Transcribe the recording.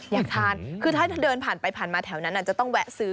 อยากทานคือถ้าเดินผ่านไปผ่านมาแถวนั้นจะต้องแวะซื้อ